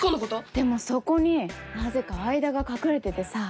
でもそこになぜか愛田が隠れててさ。